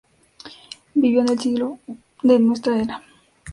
Vivió en el siglo I de nuestra era.